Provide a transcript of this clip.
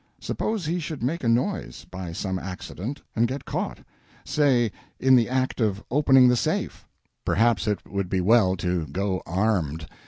Suppose he should make a noise, by some accident, and get caught say, in the act of opening the safe? Perhaps it would be well to go armed.